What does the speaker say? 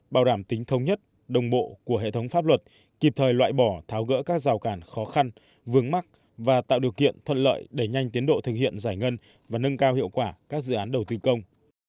bảo đảm tính thông nhất đồng bộ của hệ thống pháp luật kịp thời loại bỏ tháo gỡ các rào cản khó khăn vướng mắc và tạo điều kiện thuận lợi để nhanh tiến độ thực hiện giải ngân và nâng cao hiệu quả các dự án đầu tư công